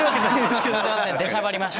すいません出しゃばりました。